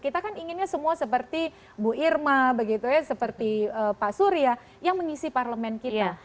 kita kan inginnya semua seperti bu irma begitu ya seperti pak surya yang mengisi parlemen kita